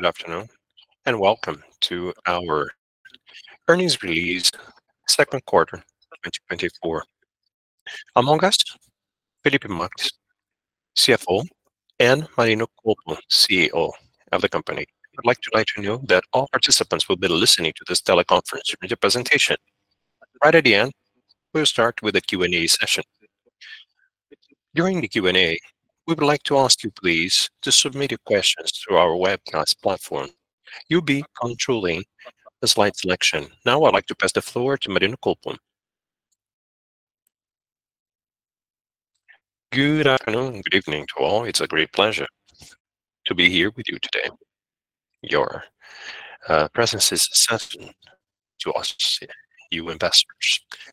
Good afternoon, and welcome to our earnings release, second quarter of 2024. Among us, Felipe Marques, CFO, and Marino Colpo, CEO of the company. I'd like to let you know that all participants will be listening to this teleconference during the presentation. Right at the end, we'll start with a Q&A session. During the Q&A, we would like to ask you please, to submit your questions through our webcast platform. You'll be controlling the slide selection. Now, I'd like to pass the floor to Marino Colpo. Good afternoon, good evening to all. It's a great pleasure to be here with you today. Your presence is essential to us, you investors. I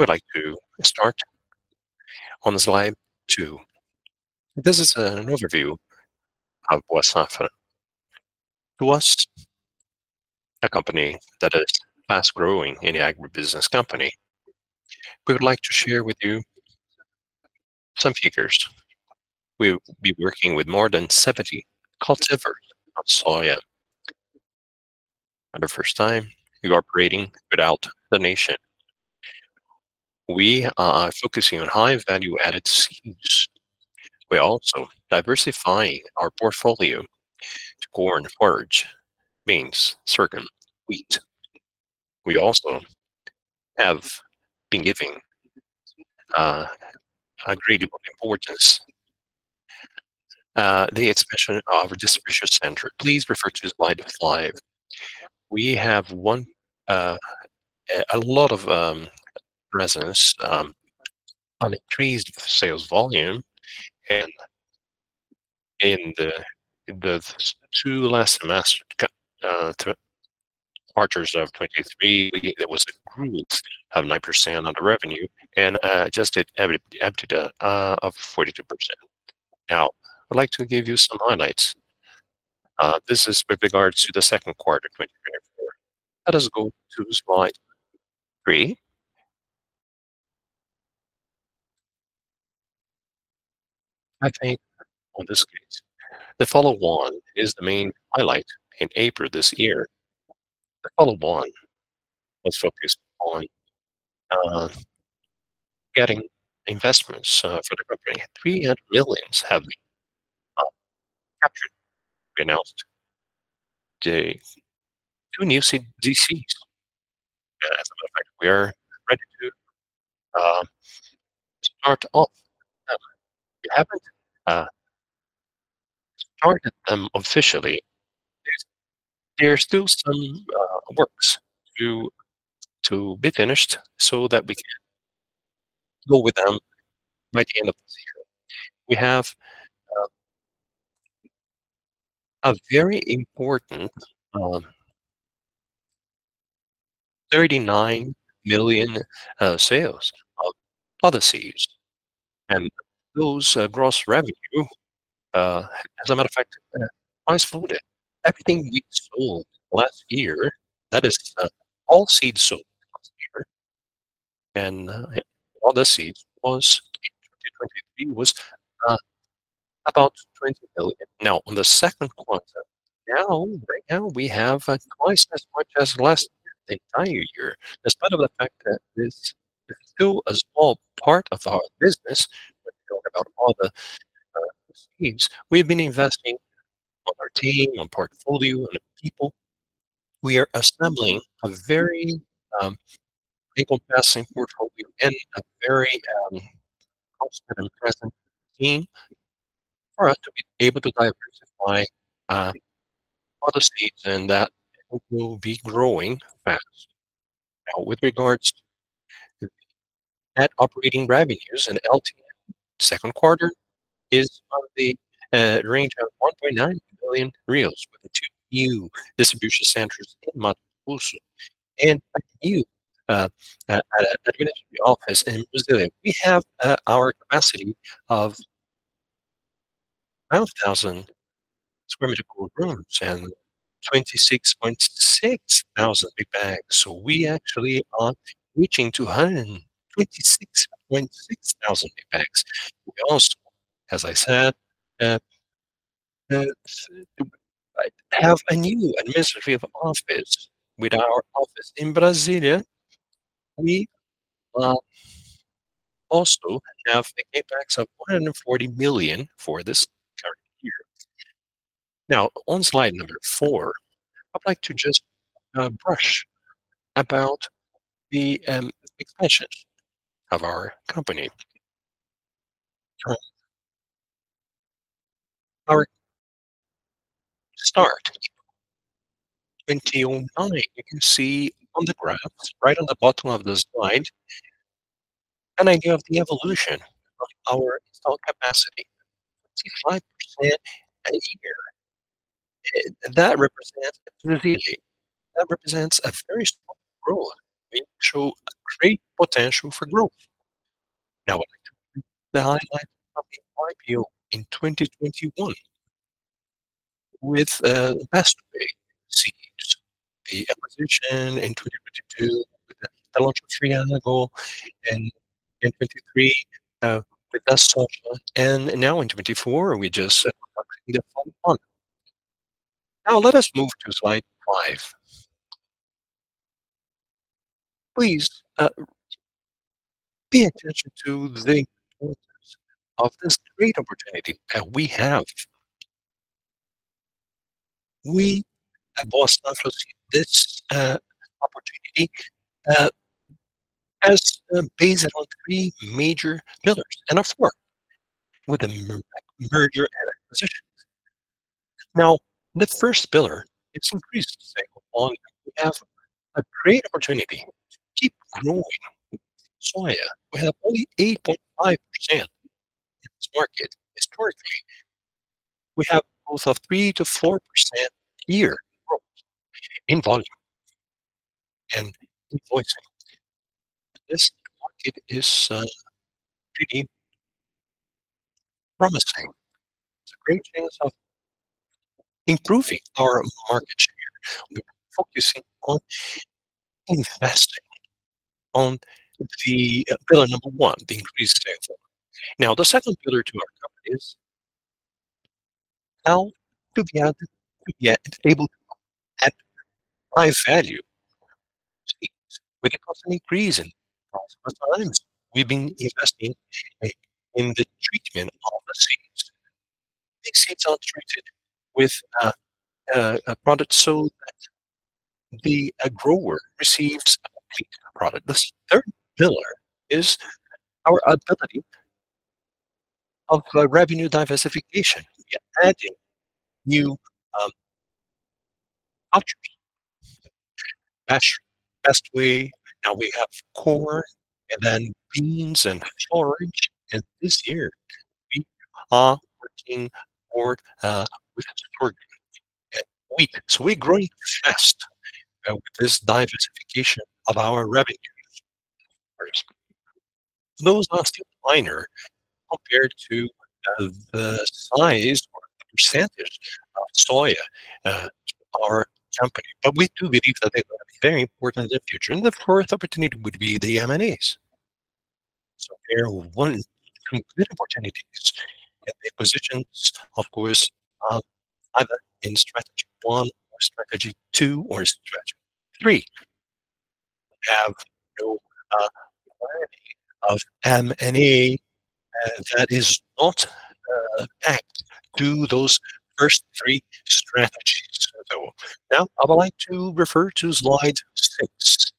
would like to start on slide two. This is an overview of Boa Safra Sementes. To us, a company that is fast-growing in the agribusiness company. We would like to share with you some figures. We will be working with more than 70 cultivars of soya. For the first time, we are operating throughout the nation. We are focusing on high-value added seeds. We're also diversifying our portfolio to corn, forage, beans, sorghum, wheat. We also have been giving a great importance the expansion of distribution center. Please refer to slide five. We have one... A lot of resonance on increased sales volume and in the two last semesters, quarters of 2023, there was a growth of 9% on the revenue and adjusted EBITDA of 42%. Now, I'd like to give you some highlights. This is with regards to the second quarter 2024. Let us go to slide three. I think in this case, the follow-on is the main highlight in April this year. The follow-on was focused on getting investments for the company. 300 million have been captured. We announced the two new CDCs. As a matter of fact, we are ready to start off. We haven't started them officially. There's still some works to be finished so that we can go with them by the end of this year. We have a very important 39 million sales of other seeds and those gross revenue, as a matter of fact, twice folded. Everything we sold last year, that is, all seeds sold last year, and all the seeds was in 2023, was about 20 million. Now, on the second quarter, now, right now we have twice as much as last year, the entire year. Despite of the fact that it's still a small part of our business, when we talk about all the seeds, we've been investing on our team, on portfolio, and on people. We are assembling a very capable passing portfolio and a very constant and present team for us to be able to diversify other seeds and that will be growing fast. Now, with regards to net operating revenues and LT, second quarter is on the range of 1.9 million, with the two new distribution centers in Mato Grosso and a new administrative office in Brasília. We have our capacity of 1,000 sq mcold rooms and 26,600 big bags. So we actually are reaching to 126,600 big bags. We also, as I said, have a new administrative office. With our office in Brasília, we also have the CapEx of 140 million for this current year. Now, on slide number four, I'd like to just brush about the expansion of our company. In 2019, you can see on the graph, right on the bottom of the slide, an idea of the evolution of our installed capacity, 55% a year. That represents really, that represents a very strong growth. We show a great potential for growth. Now, I'd like to highlight our IPO in 2021 with Bestway Seeds, the acquisition in 2022. I launched three years ago, and in 2023, with that social, and now in 2024, we just set up the follow-on. Now let us move to slide five. Please, pay attention to the orders of this great opportunity that we have. We at Votorantim see this opportunity as based on three major pillars, and of course, with a mergers and acquisitions. Now, the first pillar, it's increased sales. We have a great opportunity to keep growing. Soja, we have only 8.5% in this market. Historically, we have both a 3%-4% year growth in volume and in invoicing. This market is pretty promising. It's a great chance of improving our market share. We're focusing on investing on the pillar number one, the increased sale. Now, the second pillar to our company is how to be able to add high value. We can constantly increase in cost. We've been investing in the treatment of the seeds. The seeds are treated with a product so that the grower receives a clean product. The third pillar is our ability of the revenue diversification. We are adding new options. Bestway, now we have corn, and then beans and forage, and this year, we are working more with wheat. So we're growing fast with this diversification of our revenue. Those are still minor compared to the size or percentage of soy to our company. But we do believe that they will be very important in the future, and the fourth opportunity would be the M&A. So there are complete opportunities, and the positions, of course, are either in strategy one, or strategy two, or strategy three. We have no variety of M and A that is not backed to those first three strategies, so. Now, I would like to refer to slide six,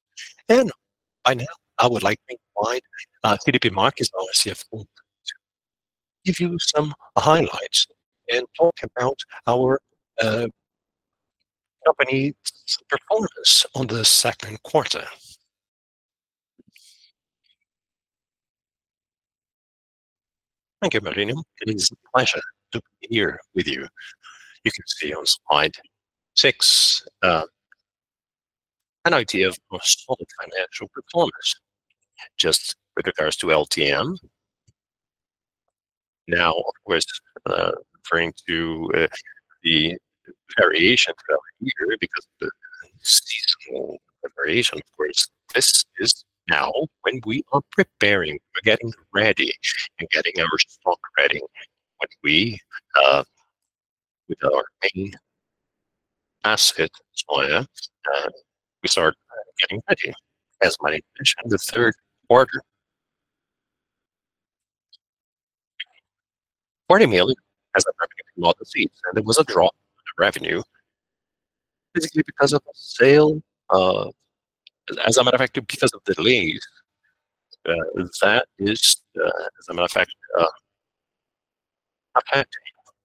and by now, I would like to invite Felipe Marques, our CFO, to give you some highlights and talk about our company's performance on the second quarter. Thank you, Marino. It is a pleasure to be here with you. You can see on slide six, an idea of solid financial performance, just with regards to LTM. Now, of course, referring to the variation here, because the seasonal variation, of course, this is now when we are preparing. We're getting ready and getting our stock ready. When we, with our main asset, soya, we start getting ready. As Marino mentioned, the third quarter. 40 million as a lot of seeds, and it was a drop in revenue, basically because of the sale, as a matter of fact, because of the delays. That is, as a matter of fact, impact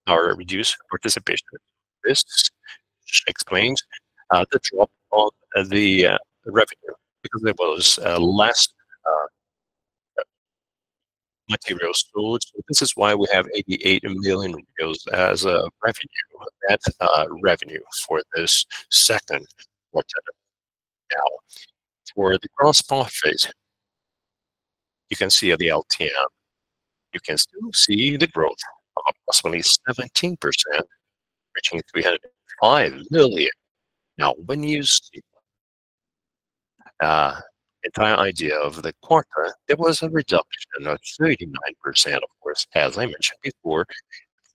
our reduced participation risks, which explains the drop of the revenue, because there was less materials sold. This is why we have 88 million as a revenue, that revenue for this second quarter. Now, for the gross profit, you can see at the LTM, you can still see the growth of approximately 17%, reaching 305 million. Now, when you see the entire idea of the quarter, there was a reduction of 39%, of course, as I mentioned before,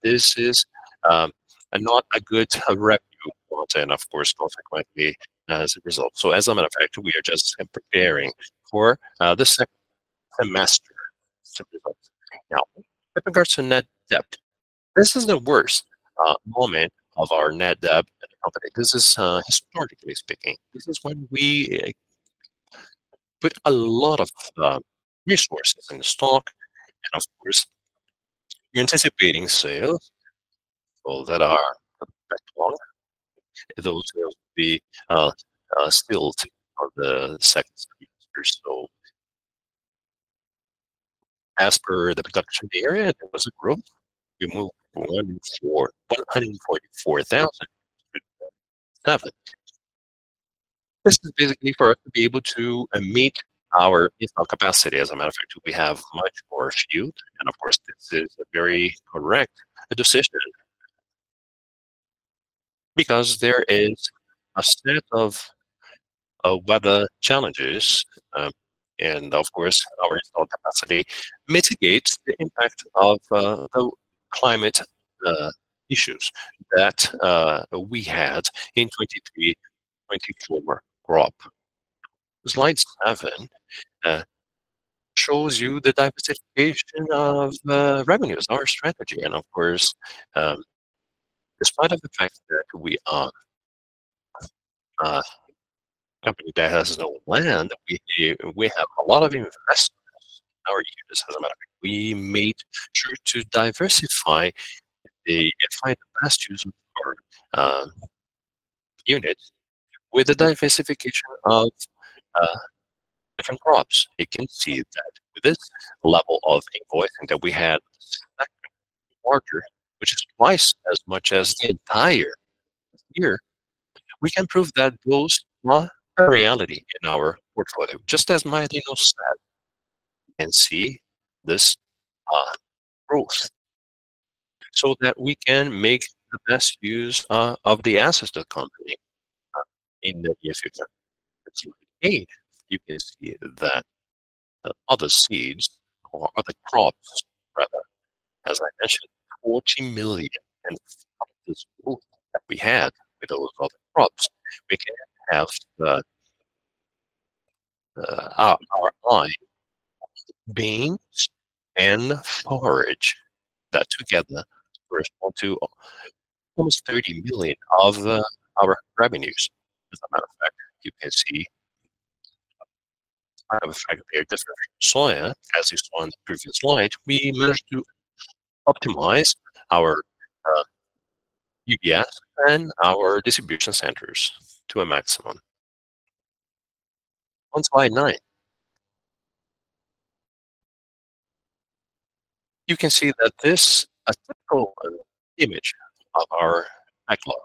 this is not a good revenue quarter, and of course, consequently, as a result. So as a matter of fact, we are just preparing for the second semester, simply put. Now, with regards to net debt, this is the worst moment of our net debt at the company. This is, historically speaking, this is when we put a lot of resources in the stock, and of course, we're anticipating sales, so those are backlog. Those will be still on the second semester, so. As per the production area, there was a growth. We moved 144,000. This is basically for us to be able to meet our internal capacity. As a matter of fact, we have much more to do, and of course, this is a very correct decision... because there is a set of weather challenges, and of course, our installed capacity mitigates the impact of the climate issues that we had in 2024 crop. Slide seven shows you the diversification of revenues, our strategy. And of course, despite of the fact that we are a company that has no land, we have a lot of investments in our units. As a matter, we made sure to diversify and find the best use of our units with the diversification of different crops. You can see that with this level of invoicing that we had second quarter, which is twice as much as the entire year, we can prove that growth is a reality in our portfolio. Just as my title said, you can see this growth so that we can make the best use of the assets of the company in the years to come. In slide eight, you can see that other seeds or other crops, rather, as I mentioned, 40 million and this growth that we had with those other crops, we can have our line beans and forage that together correspond to almost 30 million of our revenues. As a matter of fact, you can see, as I compared different soya, as is on the previous slide, we managed to optimize our UPS and our distribution centers to a maximum. On slide nine, you can see that this is a typical image of our backlog.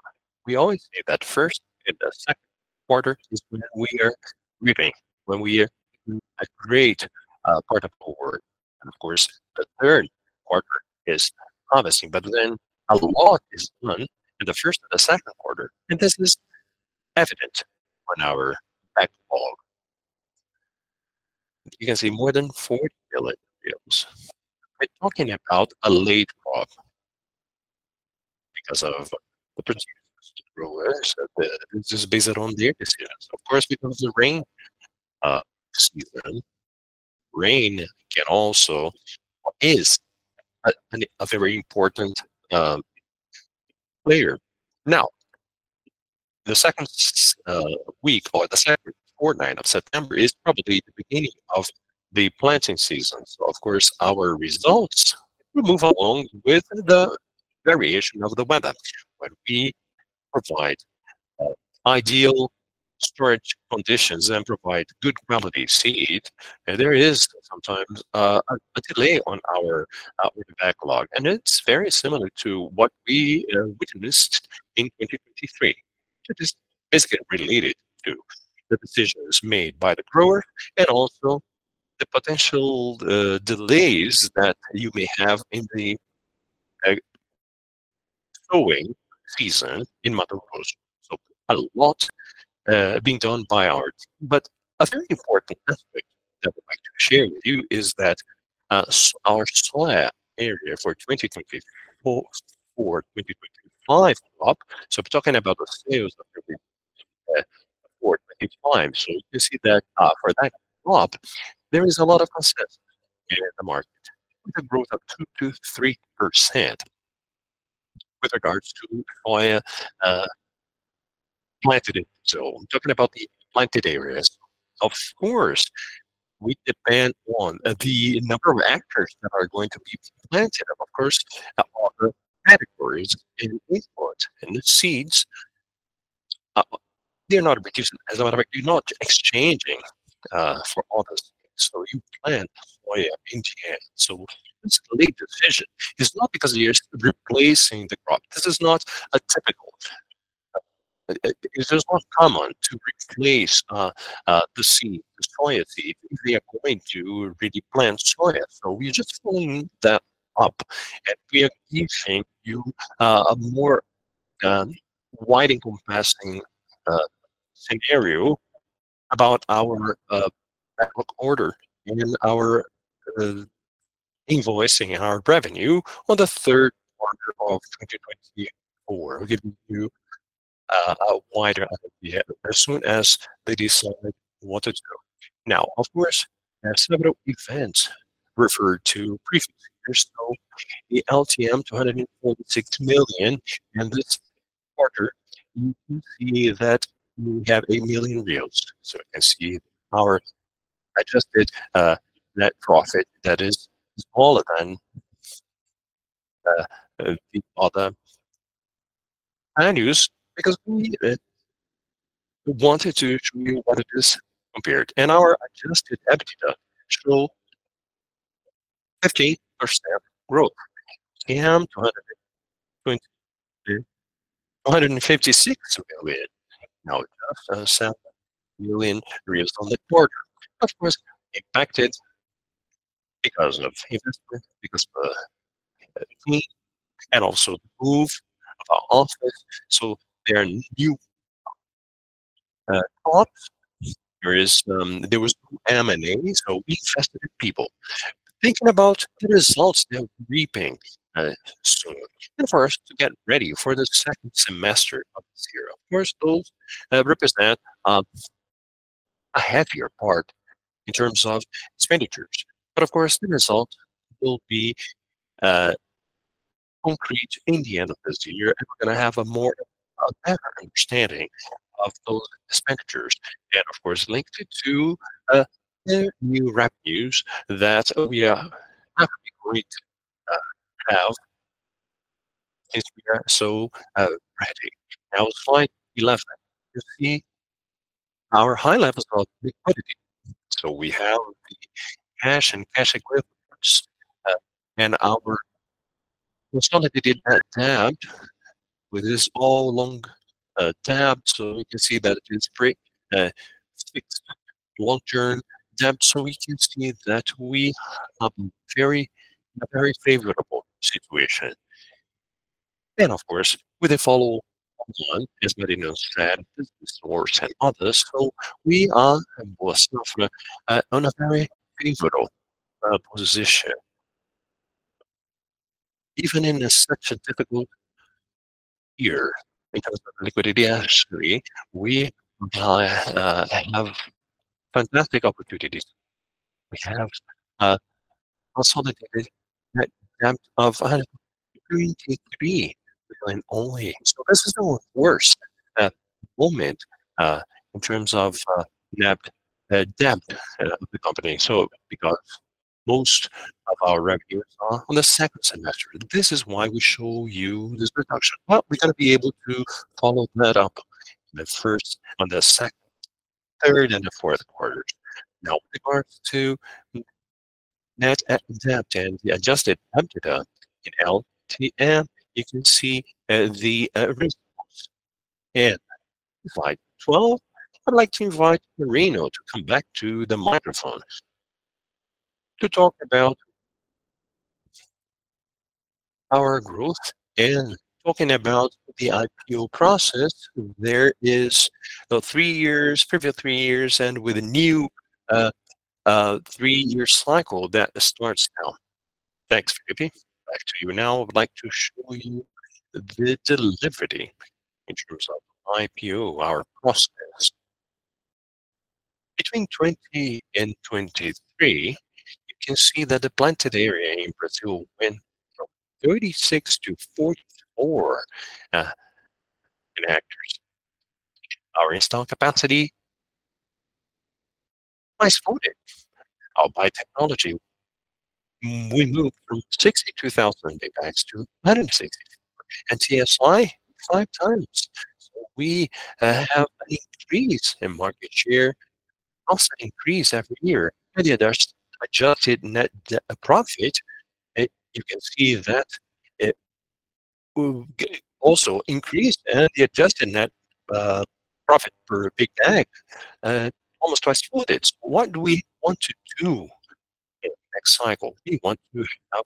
We always say that first and the second quarter is when we are reaping, when we are a great part of our work, and of course, the third quarter is promising. But then a lot is done in the first and the second quarter, and this is evident on our backlog. You can see more than 40 million. We're talking about a late crop because of the growers, just based on their experience. Of course, because of the rain season. Rain can also is a very important player. Now, the second week or the second fortnight of September is probably the beginning of the planting season. So of course, our results will move along with the variation of the weather. When we provide ideal storage conditions and provide good quality seed, there is sometimes a delay on our backlog, and it's very similar to what we witnessed in 2023, which is basically related to the decisions made by the grower and also the potential delays that you may have in the sowing season in Mato Grosso. A lot being done by our. But a very important aspect that I'd like to share with you is that our soya area for 2024 or 2025 crop. We're talking about the sales that will be for 2025. You can see that for that crop, there is a lot of concept in the market, with a growth of 2%-3% with regards to soya planted in. I'm talking about the planted areas. Of course, we depend on the number of hectares that are going to be planted. Of course, other categories in input and the seeds, they're not because as a matter of fact, you're not exchanging for all those things. So you plant soya in the end. So it's a late decision. It's not because you're replacing the crop. This is not a typical, it is not common to replace the seed, the soya seed. We are going to really plant soya, so we're just filling that up, and we are giving you a more wide encompassing scenario about our backlog order and our invoicing and our revenue on the third quarter of 2024, giving you a wider idea as soon as they decide what to do. Now, of course, there are several events referred to previously. There's the LTM 246 million, and this quarter, you can see that we have 1 million. So you can see our adjusted net profit that is smaller than the other revenues because we wanted to show you what it is compared. And our adjusted EBITDA show 58% growth, and BRL 222 million to 256 million. Now, just 7 million on the quarter. Of course, we expected because of investment, because of the M&A and also the move of our office. So there are new costs. There was M&A, so we invested in people. Thinking about the results they're reaping so and first, to get ready for the second semester of this year. Of course, those represent a heavier part in terms of expenditures, but of course, the result will be concrete in the end of this year. We're gonna have a more, a better understanding of those expenditures, and of course, linked it to their new revenues that we are happy to have since we are so ready. Now, slide 11. You see our high levels of liquidity, so we have the cash and cash equivalents. And our consolidated Net Debt with this all along tab, so we can see that it's pretty fixed long-term debt. So we can see that we are in a very, in a very favorable situation. Then, of course, with the follow-on, as Marino said, business stores and others. So we are, of course, now on a very favorable position. Even in such a difficult year, because of the liquidity industry, we have fantastic opportunities. We have also net debt of 123 billion only. So this is the worst moment in terms of net debt of the company. So because most of our revenues are on the second semester, this is why we show you this reduction. But we're gonna be able to follow that up in the first, on the second, third, and the fourth quarters. Now, with regards to net debt and the adjusted EBITDA in LTM, you can see the results. And in slide 12, I'd like to invite Marino to come back to the microphone to talk about our growth and talking about the IPO process. There is the three years, previous three years, and with a new three-year cycle that starts now. Thanks, Felipe. Back to you. Now, I'd like to show you the delivery in terms of IPO, our process. Between 2020 and 2023, you can see that the planted area in Brazil went from 36-44, in hectares. Our installed capacity, twice for it. By technology, we moved from 62,000 Big Bags to 164, and TSI, five times. So we have increased in market share, also increase every year. The adjusted net profit, you can see that it will get also increased, and the adjusted net profit per Big Bag, almost twice for this. What do we want to do in the next cycle? We want to have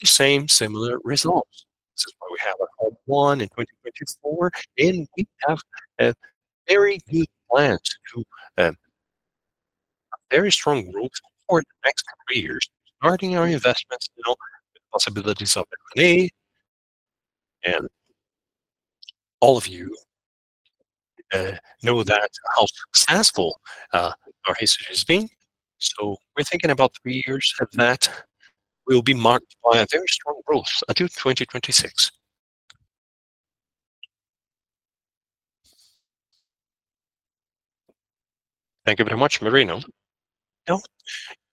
the same similar results. This is why we have our hub one in 2024, and we have a very good plans to, a very strong growth for the next three years, starting our investments, you know, with possibilities of M&A. And all of you, know that how successful, our history has been. So we're thinking about three years of that, will be marked by a very strong growth until 2026. Thank you very much, Marino. Now,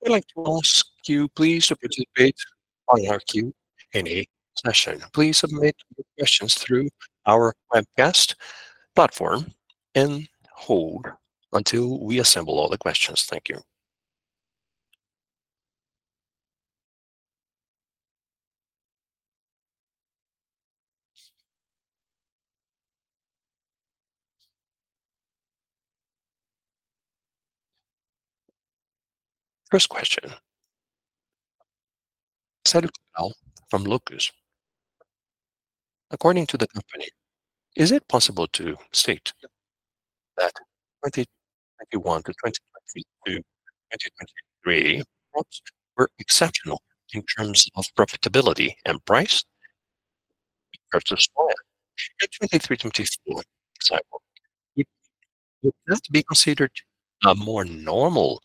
we'd like to ask you please to participate on our Q&A session. Please submit your questions through our webcast platform, and hold until we assemble all the questions. Thank you. First question, Marcelo from Locus. According to the company, is it possible to state that 2021-2022, 2023 were exceptional in terms of profitability and price versus higher? In 2024, would that be considered a more normal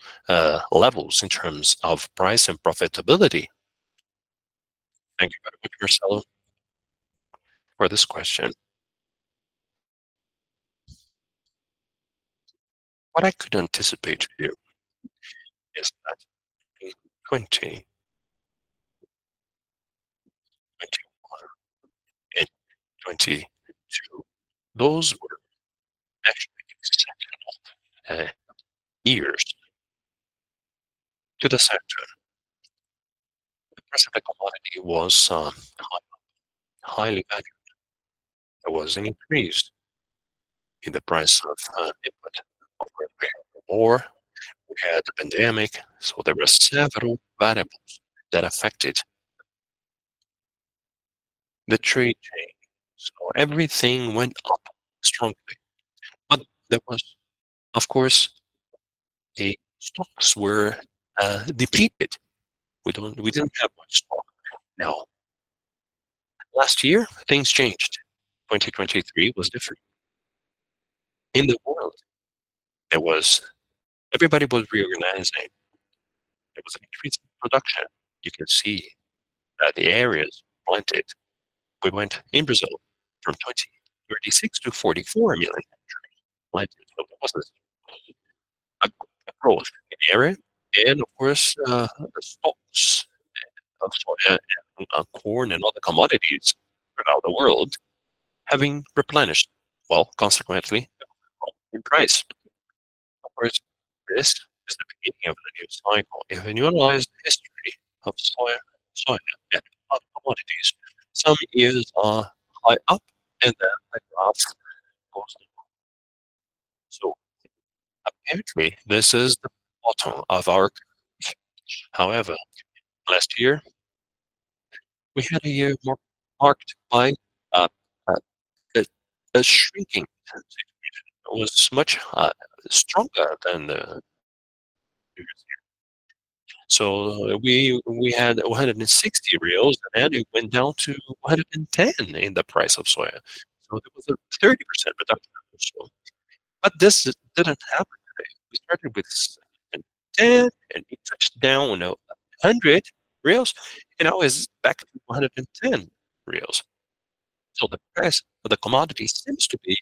levels in terms of price and profitability? Thank you very much, Marcelo, for this question. What I could anticipate to you is that in 2021 and 2022, those were actually exceptional years to the sector. The price of the commodity was high, highly valued. There was an increase in the price of input of war. We had the pandemic, so there were several variables that affected the trade chain. So everything went up strongly, but there was, of course, the stocks were depleted. We don't, we didn't have much stock. Now, last year, things changed. 2023 was different. In the world, everybody was reorganizing. There was an increase in production. You can see that the areas planted, we went in Brazil from 36-44 yard hectares. So there was a growth in area, and of course, the stocks of corn and other commodities throughout the world, having replenished, well, consequently, in price. Of course, this is the beginning of the new cycle. If you analyze the history of soya, soya, and other commodities, some years are high up, and then the graph goes down. So apparently, this is the bottom of our- However, last year, we had a year marked by a shrinking. It was much stronger than the previous year. So we had 160, and it went down to 110 in the price of soya. So it was a 30% reduction. But this didn't happen. We started with 10, and it touched down on 100, and now is back to 110. So the price for the commodity seems to be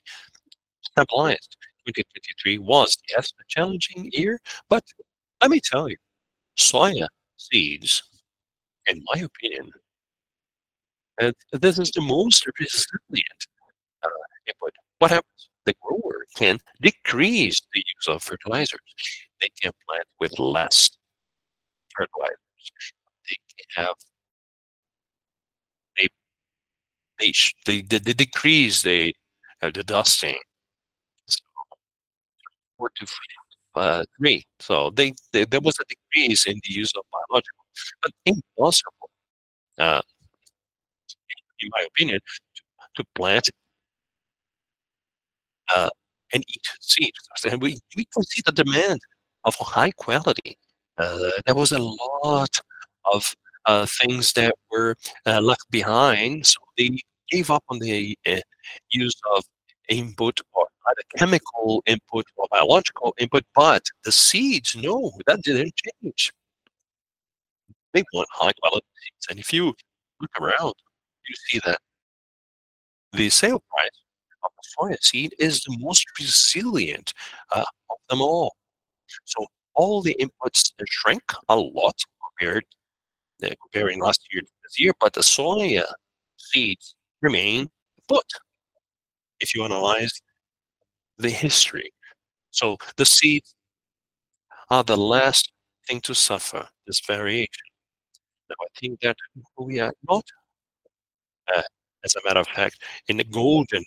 stabilized. 2023 was, yes, a challenging year, but let me tell you, soya seeds, in my opinion, this is the most resilient input. What happens? The grower can decrease the use of fertilizers. They can plant with less fertilizers. They can have—They decrease the dusting. So 4-3. So they, there was a decrease in the use of biological, but impossible, in my opinion, to plant and each seed. And we can see the demand of high quality. There was a lot of things that were left behind, so they gave up on the use of input or either chemical input or biological input, but the seeds, no, that didn't change. They want high-quality seeds, and if you look around, you see that the sale price of the soybean seed is the most resilient of them all. So all the inputs shrink a lot compared comparing last year to this year, but the soybean seeds remain put if you analyze the history. So the seeds are the last thing to suffer this variation. Now, I think that we are not as a matter of fact in the golden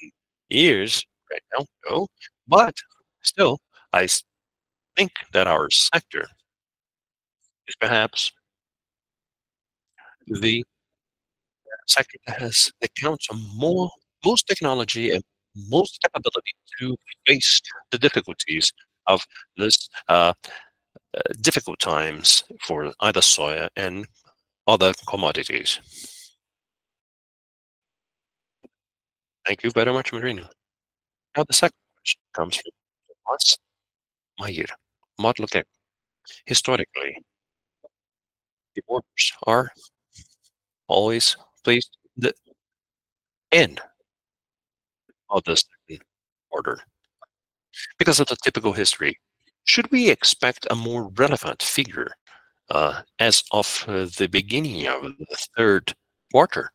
years right now, no. But still, I think that our sector is perhaps the sector that has accounts for more most technology and most capability to face the difficulties of this difficult times for either soybean and other commodities. Thank you very much, Marino. Now, the second question comes fro m us, Mayir. Historically, the orders are always placed the end of this order because of the typical history. Should we expect a more relevant figure, as of the beginning of the third quarter?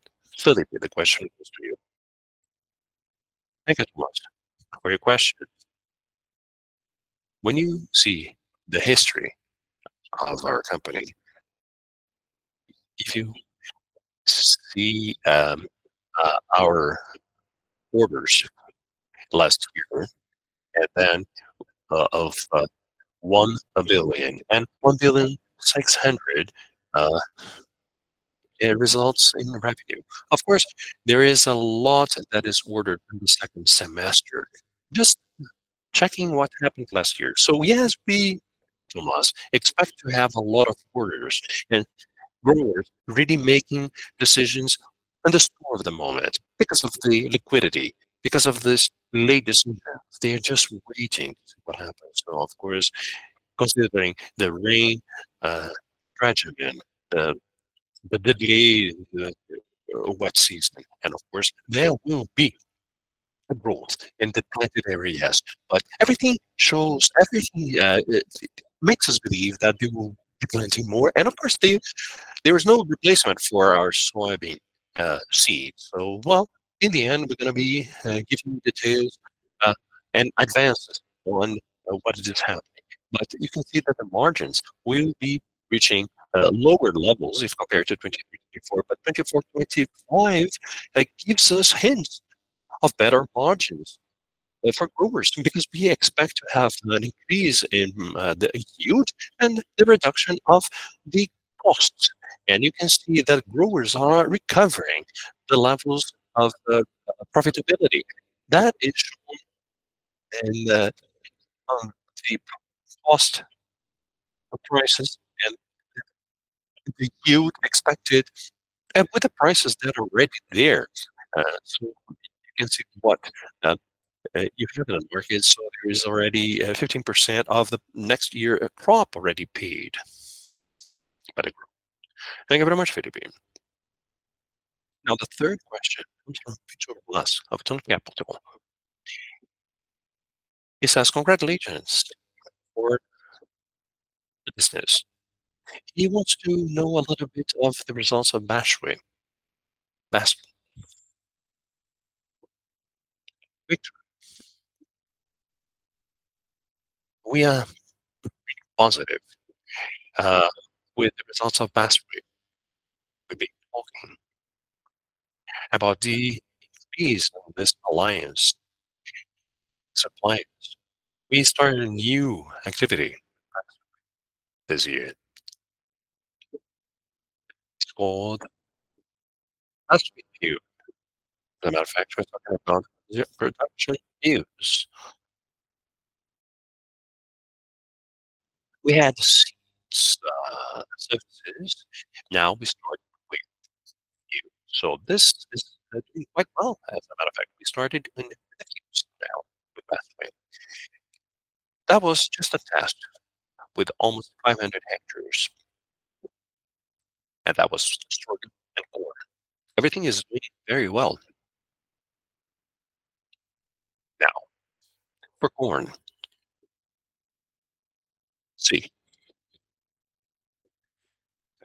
Felipe, the question is to you. Thank you so much for your question. When you see the history of our company, if you see, our orders last year, and then, of, 1 billion and 1.6 billion, it results in revenue. Of course, there is a lot that is ordered in the second semester, just checking what happened last year. So yes, we almost expect to have a lot of orders and growers really making decisions on the spur of the moment because of the liquidity, because of this latest news. They are just waiting to see what happens. So of course, considering the rain, tragedy and the delay in the wet season, and of course, there will be growth in the planted areas. But everything shows, everything, makes us believe that we will be planting more, and of course, there, there is no replacement for our soybean seeds. So well, in the end, we're gonna be giving you details and advances on what is happening. But you can see that the margins will be reaching lower levels if compared to 2024. But 2025, it gives us hints of better margins... for growers, because we expect to have an increase in the yield and the reduction of the costs. And you can see that growers are recovering the levels of profitability. That is shown in the cost of prices and the yield expected, and with the prices that are already there. So you can see what you have in the market, so there is already 15% of the next year crop already paid by the group. Thank you very much, Felipe. Now, the third question comes from Victor Blass of Genoa Capital. He says, "Congratulations for the business." He wants to know a little bit of the results of Bestway, Masp. Victor, we are positive with the results of Bestway. We've been talking about the increase of this alliance, suppliers. We started a new activity this year. It's called as Q, the manufacturer production use. We had seeds services. Now we start with you. So this is quite well. As a matter of fact, we started in the years now with Bestway. That was just a test with almost 500 hectares, and that was extraordinary. And corn, everything is working very well. Now, for corn. See,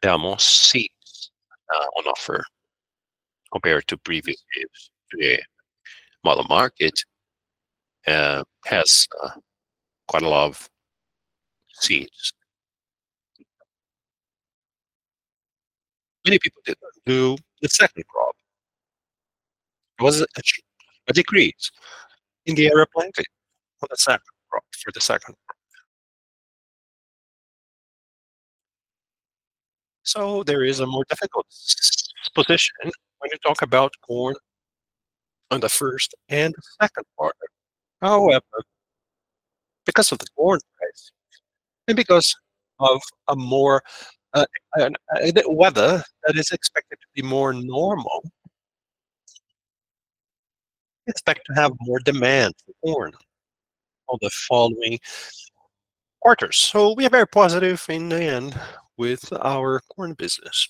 there are more seeds on offer compared to previous years. Today, while the market has quite a lot of seeds. Many people didn't do the second crop. It was a decrease in the area planted for the second crop, for the second crop. So there is a more difficult position when you talk about corn on the first and second quarter. However, because of the corn price and because of a more, the weather that is expected to be more normal, we expect to have more demand for corn on the following quarters. So we are very positive in the end with our corn business.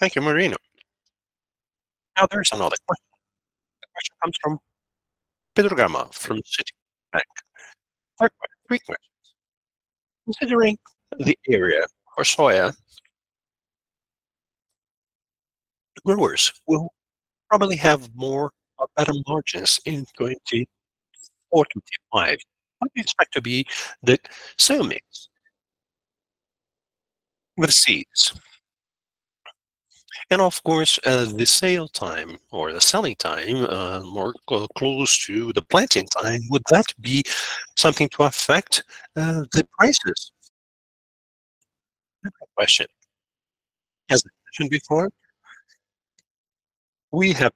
Thank you, Marino. Now, there is another question. The question comes from Pedro Gama, from Citibank. Three questions. Considering the area for soya, the growers will probably have more or better margins in 2045. What do you expect to be the sale mix with the seeds? And of course, the sale time or the selling time, more close to the planting time, would that be something to affect the prices? Question. As mentioned before, we have.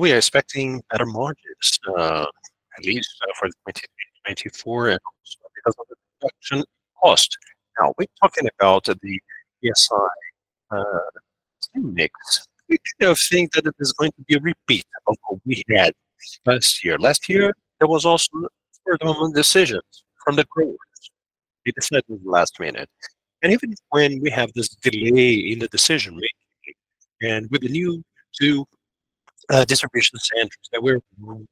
We are expecting better margins, at least for the 2024, and also because of the production cost. Now, we're talking about the ESI mix. We do think that it is going to be a repeat of what we had last year. Last year, there was also decisions from the growers. They decided in the last minute, and even when we have this delay in the decision making, and with the new two distribution centers, that we're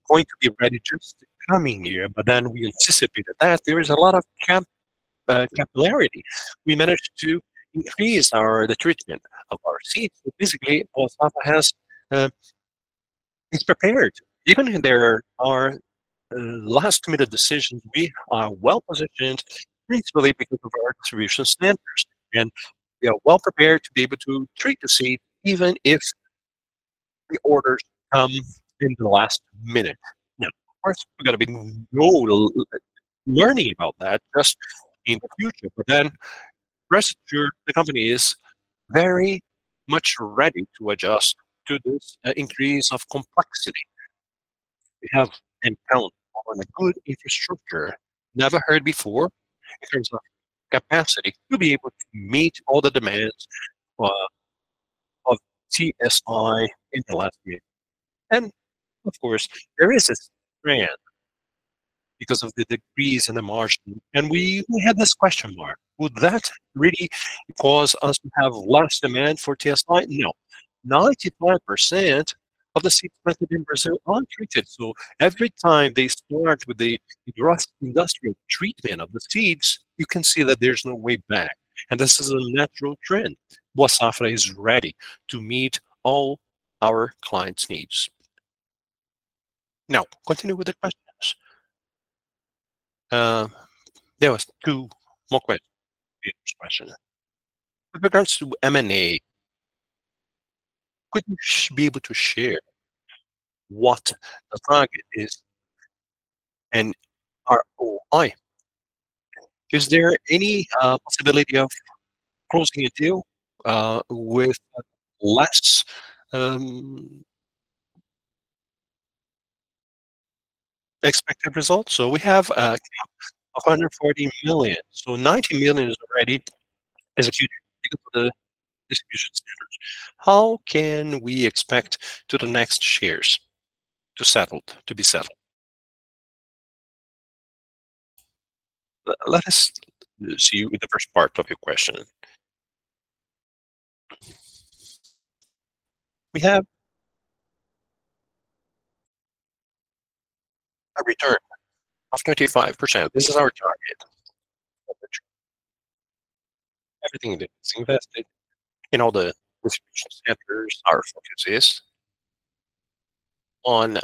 going to be ready just the coming year. But then we anticipated that there is a lot of cap capillarity. We managed to increase our, the treatment of our seeds. So basically, Boa Safra has, is prepared. Even if there are last-minute decisions, we are well-positioned, mainly because of our distribution centers, and we are well prepared to be able to treat the seed, even if the orders come in the last minute. Now, of course, we've got to be learning about that just in the future. But then, rest assured, the company is very much ready to adjust to this increase of complexity. We have embarked on a good infrastructure, never heard before, in terms of capacity, to be able to meet all the demands, of TSI in the last year. And of course, there is a trend because of the degrees and the margin, and we, we had this question mark: Would that really cause us to have large demand for TSI? No. 95% of the seeds planted in Brazil are untreated. So every time they start with the industrial treatment of the seeds, you can see that there's no way back, and this is a natural trend. Boa Safra is ready to meet all our clients' needs. Now, continue with the questions. There was two more questions. With regards to M&A, could you be able to share what the target is and ROI? Is there any possibility of closing a deal with less expected results? So we have 140 million. So 90 million is already executed for the distribution centers. How can we expect to the next shares to settled, to be settled? Let us see with the first part of your question. We have a return of 25%. This is our target. Everything that is invested in all the distribution centers, our focus is on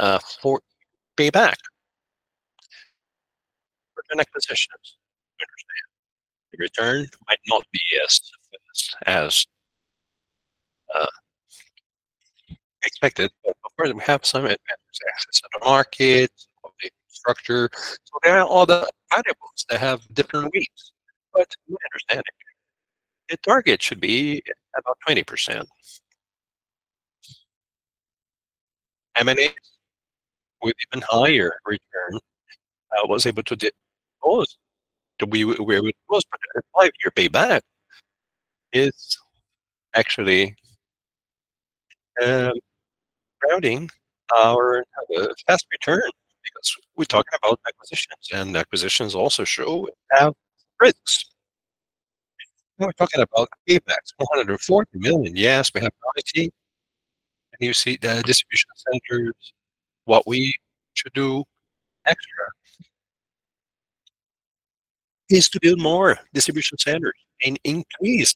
for payback. For acquisitions, we understand the return might not be as expected. But of course, we have some matters, assets on the market, structure. So there are all the variables that have different weights, but we understand it. The target should be about 20%. M&A with even higher return, I was able to close to we, we close five-year payback. It's actually grounding our fast return because we're talking about acquisitions, and acquisitions also show have risks. We're talking about paybacks, 140 million. Yes, we have quantity, and you see the distribution centers. What we should do extra is to build more distribution centers and increase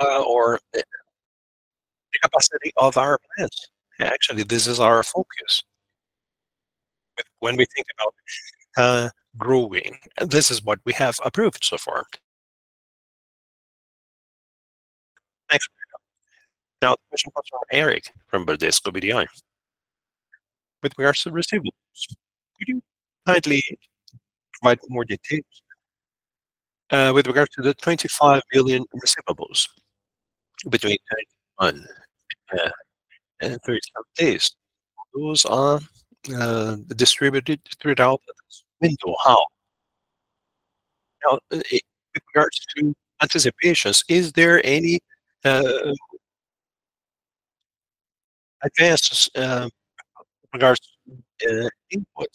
or the capacity of our plants. Actually, this is our focus. When we think about growing, this is what we have approved so far. Thanks. Now, the question comes from Eric from Bradesco BBI. But we are still receivable. Could you kindly provide more details with regards to the 25 billion receivables between 91 and 37 days? Those are distributed throughout into how? Now, in regards to anticipations, is there any advances regards to input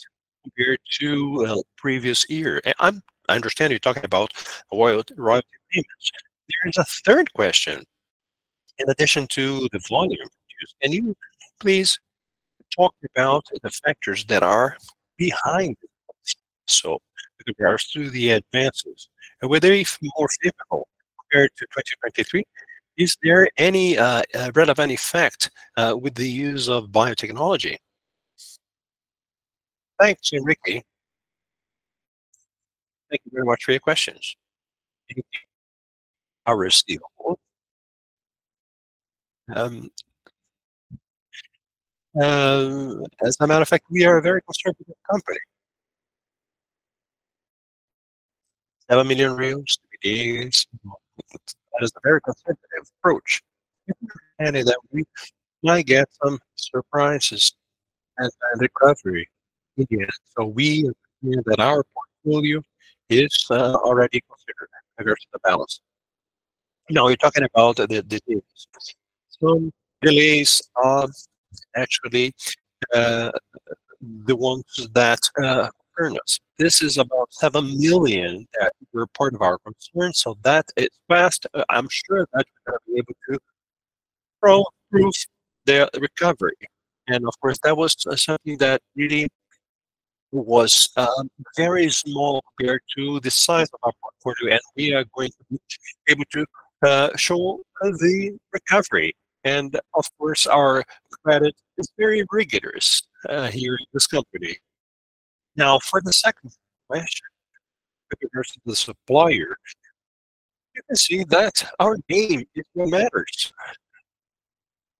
compared to previous year? I understand you're talking about royalty payments. There is a third question in addition to the volume. Can you please talk about the factors that are behind this? So with regards to the advances, and were they more difficult compared to 2023? Is there any relevant effect with the use of biotechnology? Thanks, Eric. Thank you very much for your questions. Our receivable, as a matter of fact, we are a very conservative company. BRL 7 million, three days. That is a very conservative approach, and that we might get some surprises as the recovery begins. So we assume that our portfolio is already considered the balance. Now, you're talking about the delays. Some delays are actually the ones that concern us. This is about 7 million that were part of our concern, so that is fast. I'm sure that we are going to be able to prove their recovery. And of course, that was something that really was very small compared to the size of our portfolio, and we are going to be able to show the recovery. And of course, our credit is very rigorous here in this company. Now, for the second question, regards to the supplier, you can see that our name, it matters.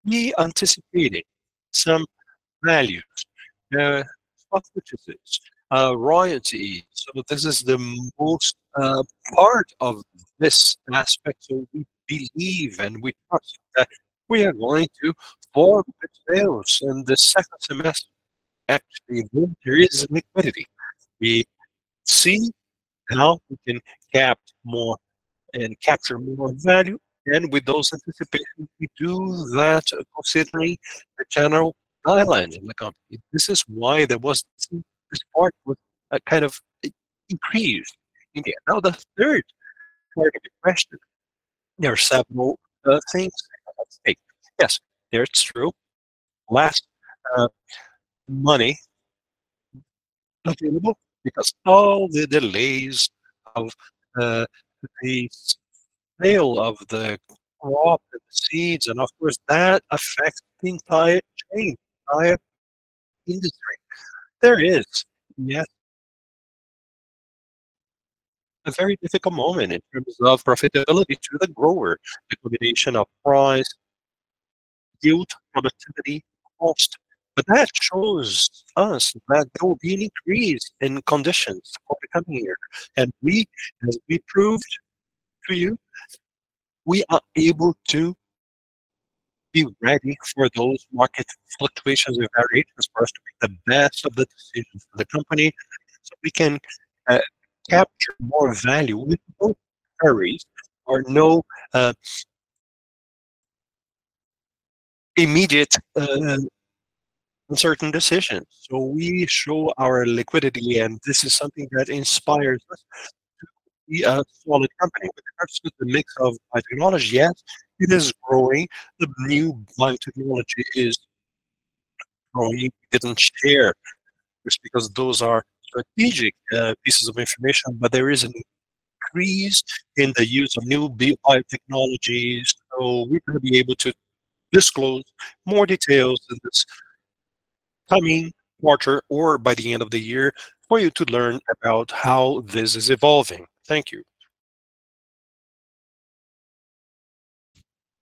We anticipated some values, purchases, royalty. So this is the most part of this aspect, so we believe, and we trust that we are going to form the sales in the second semester. Actually, there is liquidity. We see how we can capture more and capture more value, and with those anticipations, we do that across the general guideline in the company. This is why there was this part was kind of increased. Now, the third part of the question, there are several things. Yes, there it's true. Less money available because all the delays of the sale of the crop and the seeds, and of course, that affects the entire chain, entire industry. There is, yes, a very difficult moment in terms of profitability to the grower. The combination of price, yield, productivity, cost, but that shows us that there will be an increase in conditions for the coming year, and we, as we proved to you, we are able to be ready for those market fluctuations and vary as far as to make the best of the decisions for the company. So we can capture more value with no hurries or no immediate uncertain decisions. So we show our liquidity, and this is something that inspires us to be a solid company with regards to the mix of biotechnology. Yes, it is growing. The new biotechnology is growing. We didn't share just because those are strategic, pieces of information, but there is an increase in the use of new biotechnology, so we're gonna be able to disclose more details in this coming quarter or by the end of the year for you to learn about how this is evolving. Thank you.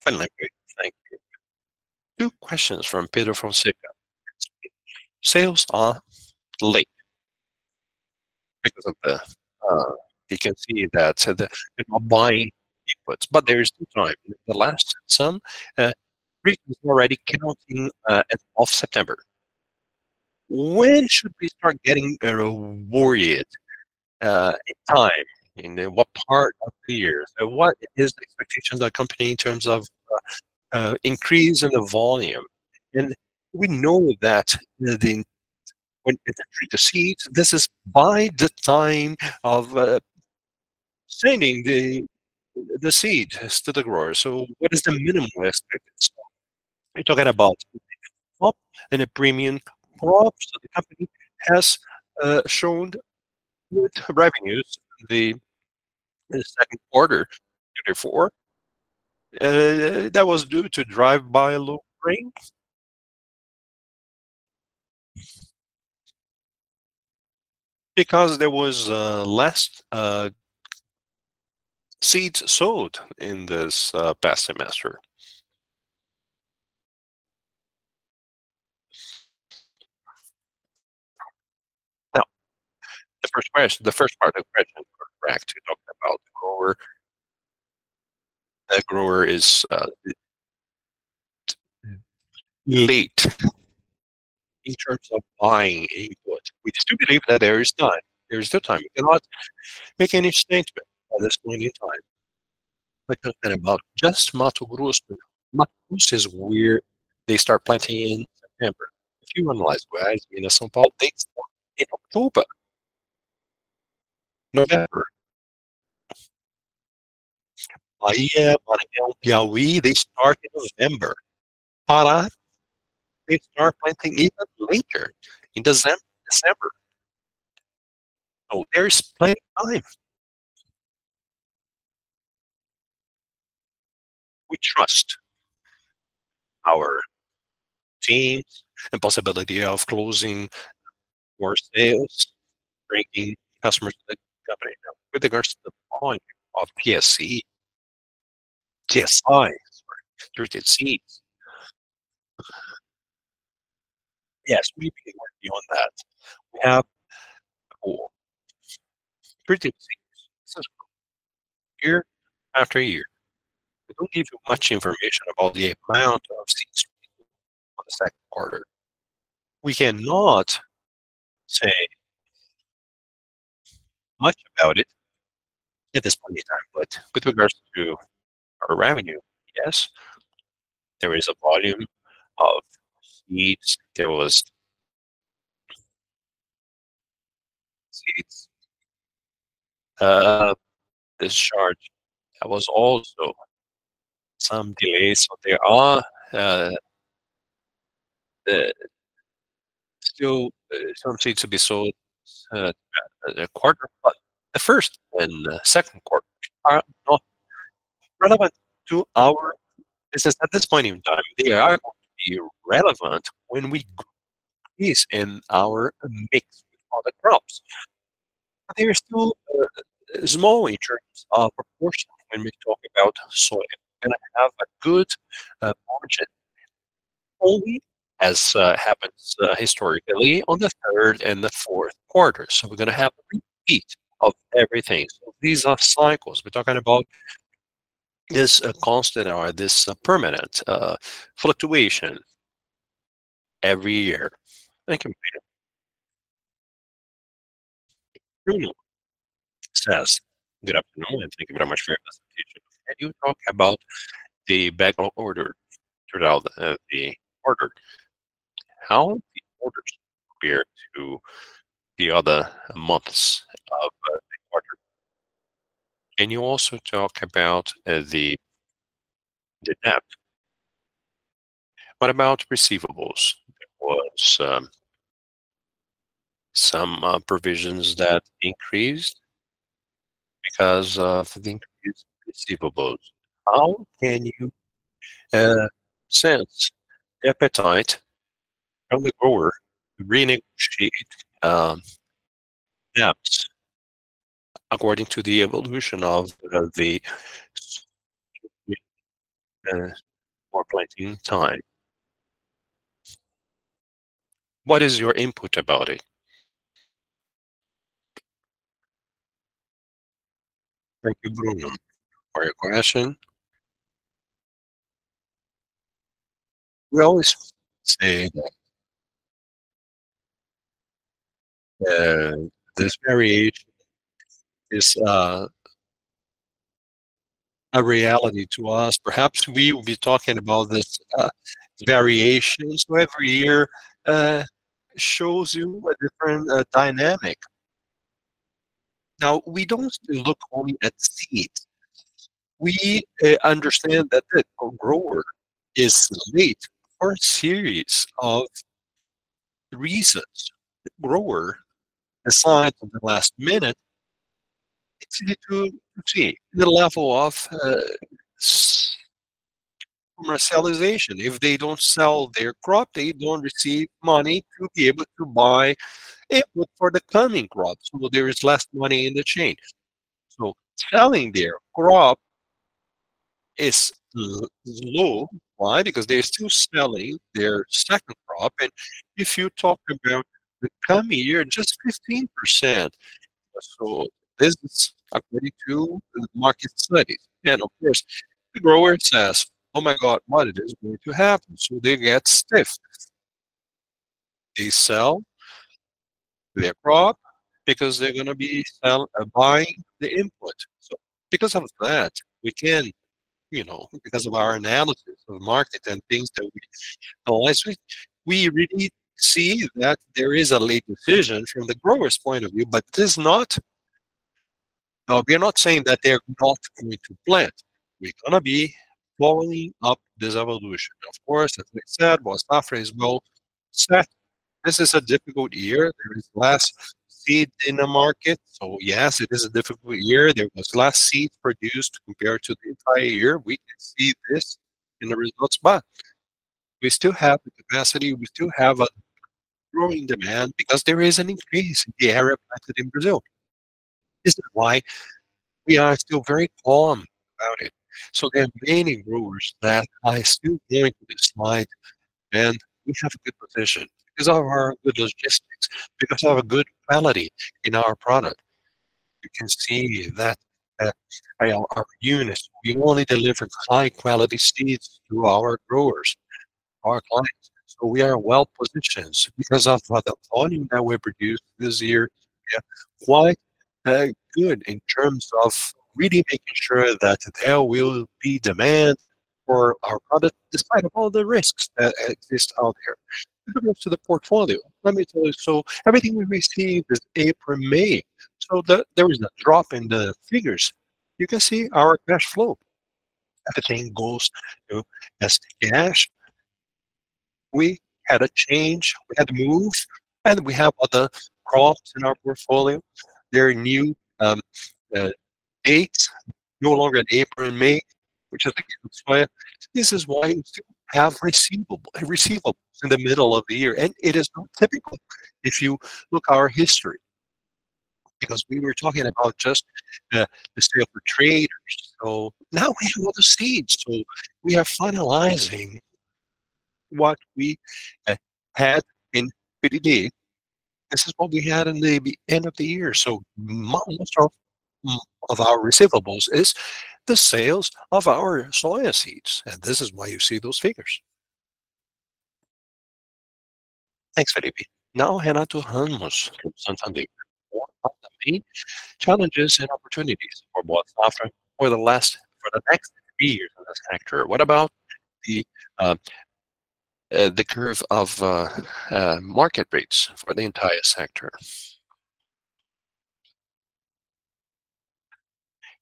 Finally, thank you. Two questions from Pedro Fonseca. Sales are late because of the... You can see that so they're not buying inputs, but there is still time. The last some regions already counting, as of September. When should we start getting worried, in time, in what part of the year? So what is the expectation of the company in terms of increase in the volume? And we know that the, when the seed, this is by the time of sending the seeds to the growers. So what is the minimum expected? We're talking about a top and a premium crop. So the company has shown good revenues in the second quarter 2024. That was due to drive by lowering, because there was less seeds sold in this past semester. Now, the first question, the first part of the question, we're actually talking about the grower. The grower is late in terms of buying input. We still believe that there is time. There is still time. We cannot make any statement at this point in time. We're talking about just Mato Grosso. Mato Grosso is where they start planting in September. If you analyze where Minas Gerais, São Paulo, dates in October, November. Bahia, Piauí, they start in November. Pará, they start planting even later, in December, December. So there is plenty of time. We trust our teams and possibility of closing more sales, bringing customers to the company. Now, with regards to the volume of PSC, TSI, sorry, treated seeds. Yes, we believe working on that. We have a goal. Treated seeds, year after year. I won't give you much information about the amount of seeds on the second quarter. We cannot say much about it at this point in time, but with regards to our revenue, yes, there is a volume of seeds. There was seeds discharge. There was also some delays, but there are still some seeds to be sold the quarter. But the first and the second quarter are not relevant to our business at this point in time. They are going to be relevant when we increase in our mix with other crops. There are still small in terms of proportion when we talk about soy. And I have a good margin, only as happens historically on the third and the fourth quarter. So we're gonna have a repeat of everything. So these are cycles. We're talking about this constant or this permanent fluctuation every year. Thank you, Pedro. Bruno says, "Good afternoon, and thank you very much for your presentation. Can you talk about the backlog turned out the order? How the orders compare to the other months of the quarter? Can you also talk about the net. What about receivables? There was some provisions that increased because of the increased receivables. How can you sense the appetite of the grower to renegotiate debts according to the evolution of the more planting time? What is your input about it? Thank you, Bruno, for your question. We always say that, this variation is a reality to us. Perhaps we will be talking about this, variations where every year shows you a different, dynamic. Now, we don't look only at seeds. We understand that the grower is late for a series of reasons. The grower, aside from the last minute, it's easy to see the level of commercialization. If they don't sell their crop, they don't receive money to be able to buy input for the coming crops. So there is less money in the chain. So selling their crop is low. Why? Because they're still selling their second crop, and if you talk about the coming year, just 15%. So this is according to the market studies, and of course, the grower says, "Oh, my God, what is going to happen?" So they get stiff. They sell their crop because they're gonna be buying the input. So because of that, we can, you know, because of our analysis of the market and things that we unless we really see that there is a late decision from the grower's point of view, but this is not. Now, we are not saying that they are not going to plant. We're gonna be following up this evolution. Of course, as we said, Boa Safra's goal, set. This is a difficult year. There is less seed in the market, so yes, it is a difficult year. There was less seed produced compared to the entire year. We can see this in the results, but we still have the capacity, we still have a growing demand because there is an increase in the area planted in Brazil. This is why we are still very calm about it. So there are many growers that are still going to slide, and we have a good position because of our good logistics, because of a good quality in our product. You can see that, our units, we only deliver high-quality seeds to our growers, our clients. So we are well-positioned because of the volume that we produced this year. We are quite, good in terms of really making sure that there will be demand for our product, despite of all the risks that, exist out there. Moving on to the portfolio, let me tell you, so everything we received is April, May, so there is a drop in the figures. You can see our cash flow. Everything goes to as cash. We had a change, we had to move, and we have other crops in our portfolio. They're new dates, no longer in April and May, which is the soya. This is why we still have receivable, a receivable in the middle of the year, and it is not typical if you look our history, because we were talking about just the sale for traders. So now we have all the seeds, so we are finalizing what we had in QTD. This is what we had in the end of the year. So most of our receivables is the sales of our soya seeds, and this is why you see those figures. Thanks, Felipe. Now, Ramon Ramos, from Santander, for the challenges and opportunities for the next three years in this sector. What about the curve of market rates for the entire sector?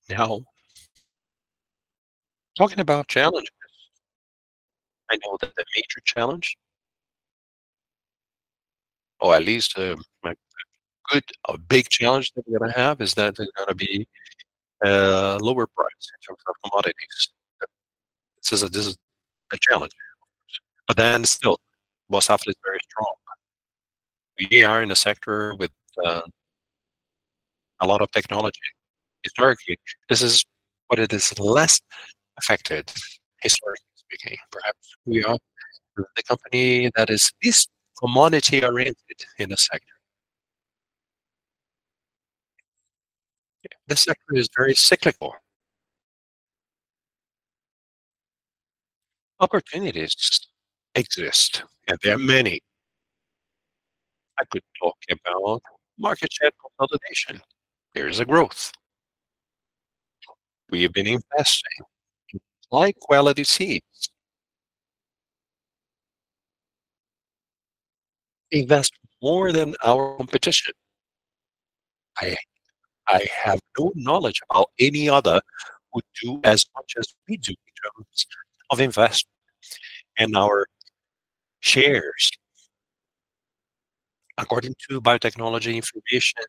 Now, talking about challenges, I know that the major challenge, or at least a big challenge that we're gonna have is that there's gonna be a lower price in terms of commodities. This is a challenge. But then still, Boa Safra is very strong. We are in a sector with a lot of technology. Historically, this is what it is less affected, historically speaking. Perhaps we are the company that is least commodity-oriented in the sector. This sector is very cyclical. Opportunities exist, and they are many. I could talk about market share consolidation. There is a growth. We have been investing in high-quality seeds. We invest more than our competition. I, I have no knowledge how any other would do as much as we do in terms of investment and our shares. According to biotechnology information,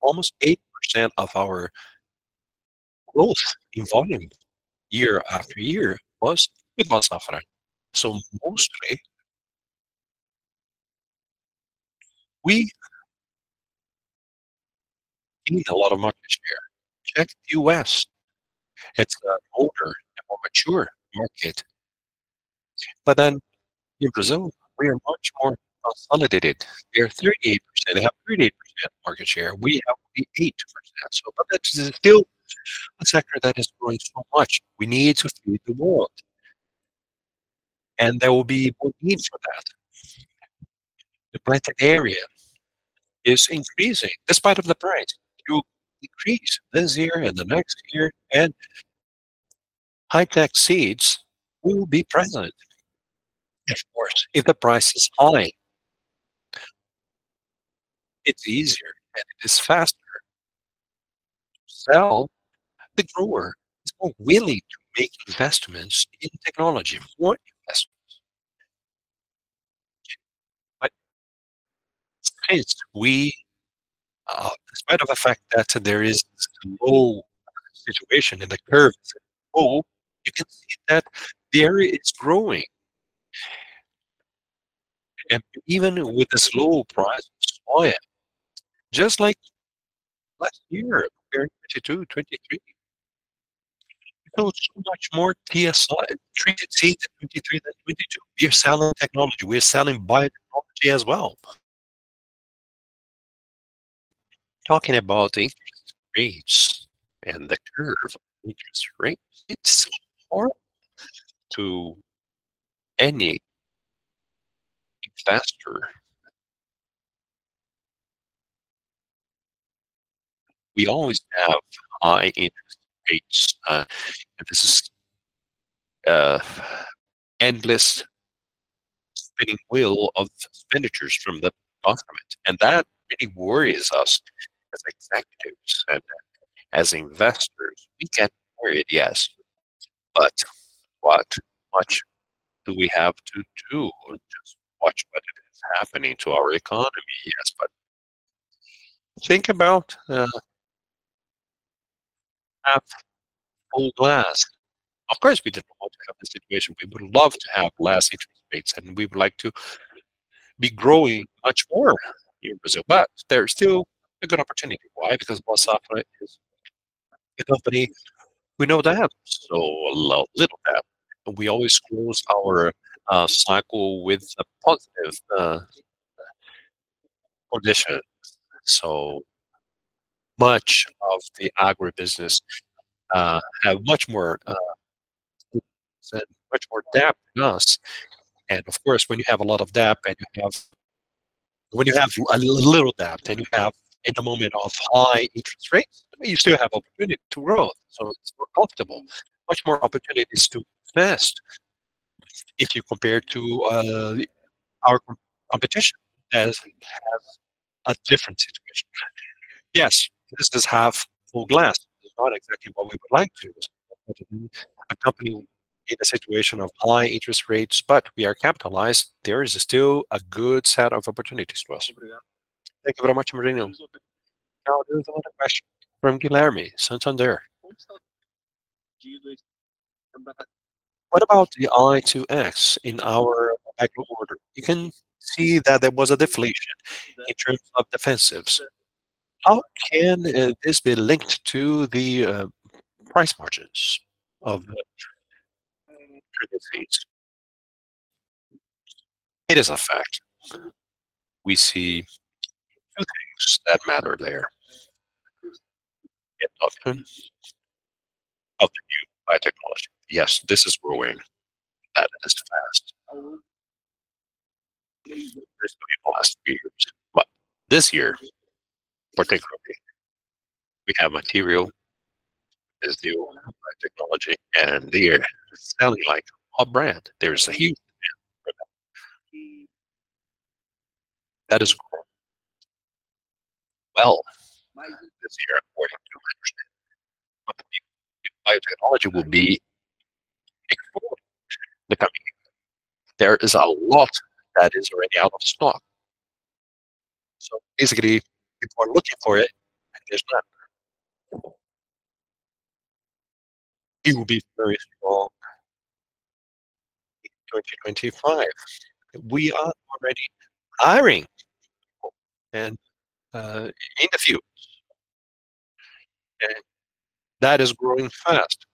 almost 80% of our growth in volume, year after year, was with Monsanto. So mostly, we need a lot of market share. Check the U.S., it's an older and more mature market, but then in Brazil, we are much more consolidated. They are 38%—they have 38% market share, we have 88%. So but that is still a sector that is growing so much. We need to feed the world, and there will be more need for that. The planted area is increasing, despite of the price, it will increase this year and the next year, and high-tech seeds will be present. Of course, if the price is high, it's easier and it is faster to sell. The grower is more willing to make investments in technology, more investments. But it's we, despite of the fact that there is this low situation in the curve, it's low, you can see that the area is growing. Even with the slow price of soy, just like last year, compared 2022, 2023, we sold so much more TSI treated seed in 2023 than 2022. We are selling technology. We are selling biotechnology as well. Talking about interest rates and the curve of interest rates, it's so hard to any faster. We always have high interest rates, and this is an endless spinning wheel of expenditures from the government, and that really worries us as executives and as investors. We can't worry, yes, but what much do we have to do? Or just watch what it is happening to our economy. Yes, but think about half full glass. Of course, we didn't want to have this situation. We would love to have less interest rates, and we would like to be growing much more in Brazil, but there's still a good opportunity. Why? Because Monsanto is a company, we know that. So a little dap, and we always close our cycle with a positive condition. So much of the agribusiness have much more dap than us. Of course, when you have a little dap, and you have in the moment of high interest rates, you still have opportunity to grow, so it's more profitable. Much more opportunities to invest if you compare to our competition, as we have a different situation. Yes, this does have full glass. It's not exactly what we would like to, a company in a situation of high interest rates, but we are capitalized. There is still a good set of opportunities to us. Thank you very much, Marino. Now, there is another question from Guilherme Santander. What about the I2X in our agro order? You can see that there was a deflation in terms of defensives. How can this be linked to the price margins of the treated seeds? It is a fact. We see two things that matter there. Of the new biotechnology, yes, this is growing as fast as the last few years. But this year, particularly, we have material is the biotechnology, and they're selling like a brand. There's a huge that is growing. Well, this year, more than 200%, but the biotechnology will be important. There is a lot that is already out of stock. So basically, people are looking for it, and there's not. It will be very small in 2025. We are already hiring people and, in a few, and that is growing fast.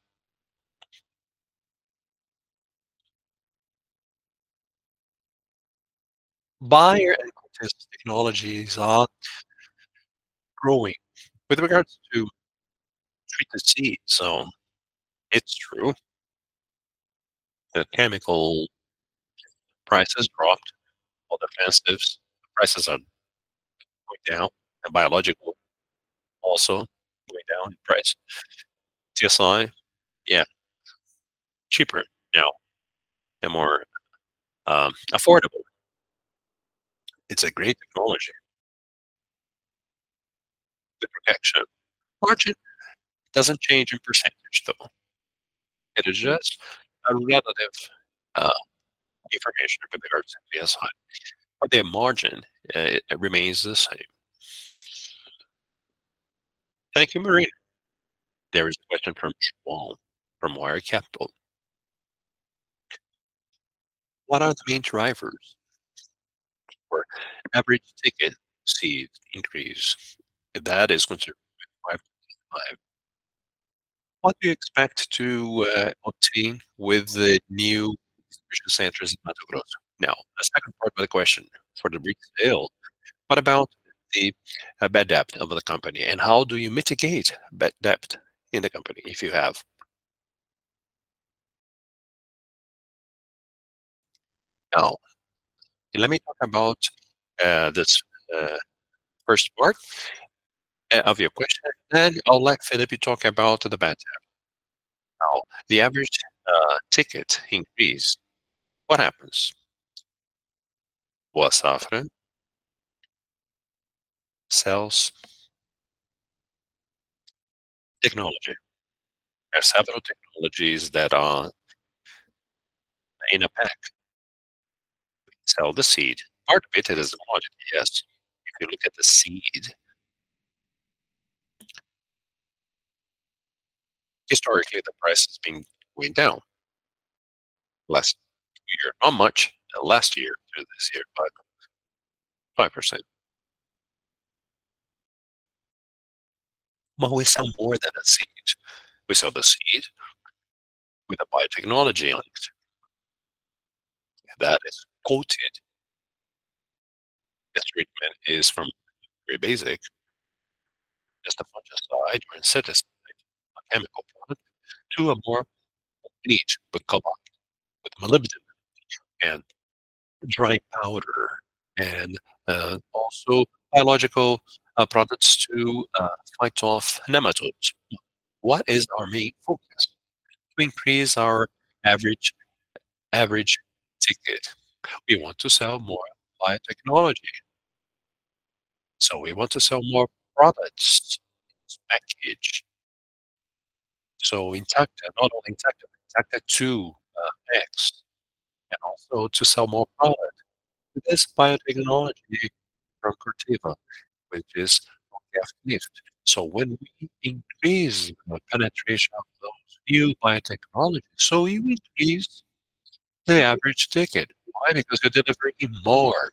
Bayer and Corteva technologies are growing with regards to treated seed. So it's true, the chemical prices dropped, all defensives prices are going down, and biological also going down in price. TSI, yeah, cheaper now and more affordable. It's a great technology. The protection margin doesn't change in percentage, though. It is just a relative, information compared to PSI, but the margin, remains the same. Thank you, Marie. There is a question from Paulo, from Wire Capital. What are the main drivers for average ticket size increase? That is going to five. What do you expect to, obtain with the new distribution centers in Mato Grosso? Now, the second part of the question, for the retail, what about the, bad debt of the company, and how do you mitigate bad debt in the company if you have? Now, let me talk about, this, first part of your question, then I'll let Felipe talk about the bad debt. Now, the average, ticket increase, what happens? Well, software, sales, technology. There are several technologies that are in a pack. We sell the seed, part of it is the quantity, yes. If you look at the seed, historically, the price has been going down. Last year, not much, last year to this year, but 5%. But we sell more than a seed. We sell the seed with the biotechnology on it. That is coated. This treatment is from very basic, just a fungicide or insecticide, a chemical product, to a more niche, with cobalt, with molybdenum, and dry powder, and also biological products to fight off nematodes. What is our main focus? To increase our average, average ticket. We want to sell more biotechnology. So we want to sell more products package. So Intacta, not only Intacta, Intacta 2 X, and also to sell more product. With this biotechnology, ProCultiva, which is Nift. So when we increase the penetration of those new biotechnologies, so we increase the average ticket. Why? Because we're delivering more.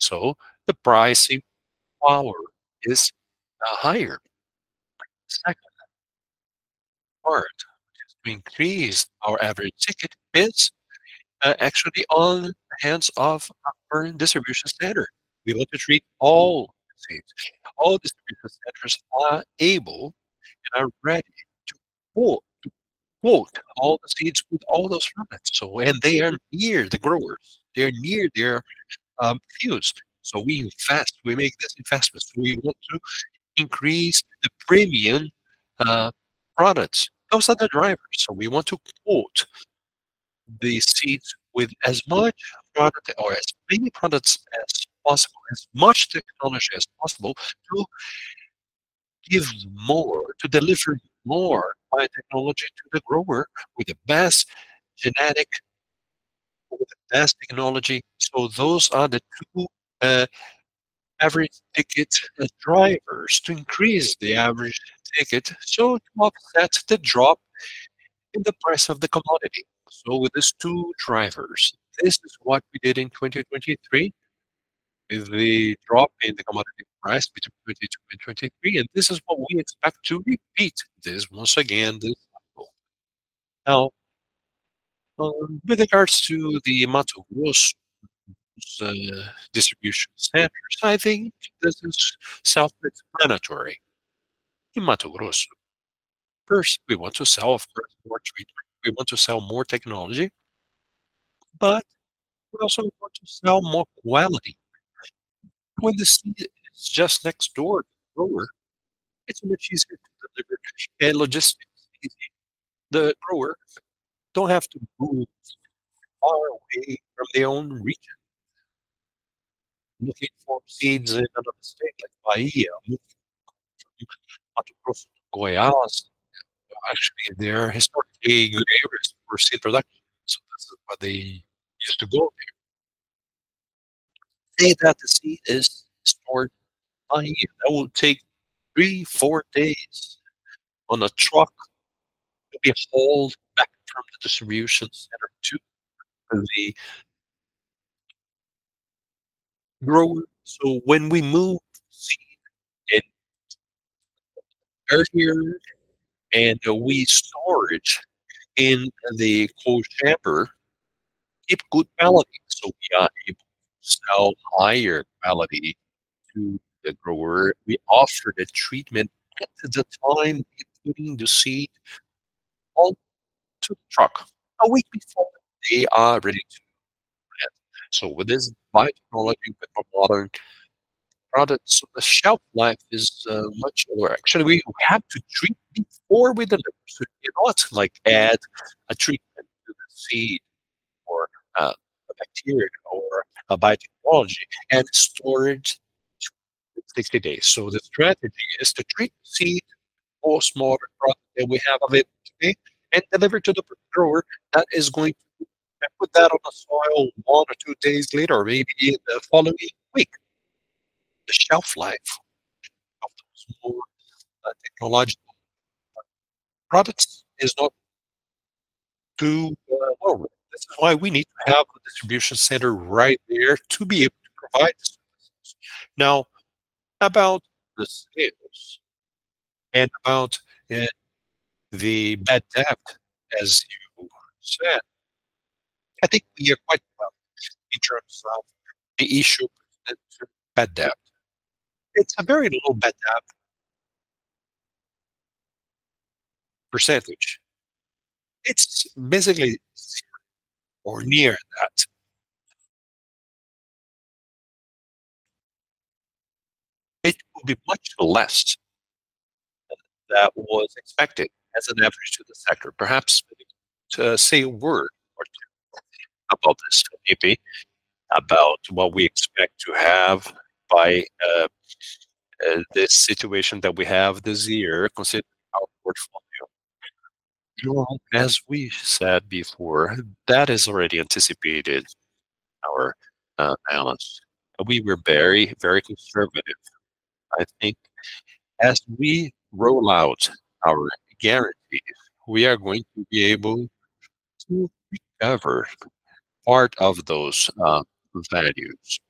So the pricing power is higher. Second part, which is to increase our average ticket, is actually on the hands of our distribution center. We want to treat all the seeds. All distribution centers are able and are ready to coat, to coat all the seeds with all those products. So when they are near the growers, they're near their fields, so we invest, we make this investment. We want to increase the premium products. Those are the drivers. So we want to coat the seeds with as much product or as many products as possible, as much technology as possible, to give more, to deliver more biotechnology to the grower with the best genetic, with the best technology. So those are the two, average ticket drivers to increase the average ticket, so to offset the drop in the price of the commodity. So with these two drivers, this is what we did in 2023, with the drop in the commodity price between 2022 and 2023, and this is what we expect to repeat this once again, this cycle. Now, with regards to the Mato Grosso, distribution centers, I think this is self-explanatory. In Mato Grosso, first, we want to sell, of course, more treatment. We want to sell more technology, but we also want to sell more quality. When the seed is just next door to the grower, it's much easier to deliver and logistics is easy. The growers don't have to move far away from their own region, looking for seeds in another state, like Bahia, Mato Grosso, Goiás. Actually, there historically good areas for seed production, so that's why they used to go there. Say that the seed is stored, that will take 3-4 days on a truck to be hauled back from the distribution center to the grower. So when we move seed and are here, and we store in the cold chamber, keep good quality, so we are able to sell higher quality to the grower. We offer the treatment at the time, including the seed, all to the truck, a week before they are ready to. So with this biotechnology, with the modern products, the shelf life is much more. Actually, we have to treat before we deliver. So in order to like add a treatment to the seed or a bacteria or a biotechnology and store it 60 days. So the strategy is to treat the seed or small product that we have available today, and deliver to the grower that is going to put that on the soil one or two days later, or maybe in the following week. The shelf life of those more technological products is not too low. That's why we need to have a distribution center right there to be able to provide the services. Now, about the sales and about the bad debt, as you said, I think we are quite well in terms of the issue that bad debt. It's a very low bad debt percentage. It's basically or near that. It will be much less than that was expected as an average to the sector. Perhaps to say a word or two about this, maybe about what we expect to have by this situation that we have this year, considering our portfolio. You know, as we've said before, that is already anticipated our balance. We were very, very conservative. I think as we roll out our guarantees, we are going to be able to recover part of those values.